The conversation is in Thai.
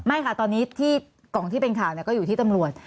ค่ะตอนนี้ที่กล่องที่เป็นข่าวก็อยู่ที่ตำรวจ